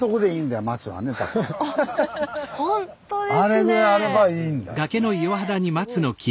あれぐらいあればいいんだよね。